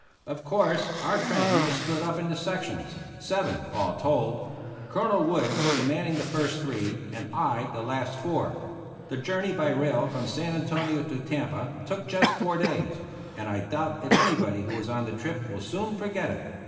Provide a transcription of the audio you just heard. Of course, our train was split up into sections, seven, all told ; Colonel Wood commanding the 46 TO CUBA first three, and I the last four. The journey by rail from San Antonio to Tampa took just four days, and I doubt if anybody who was on the trip will soon forget it.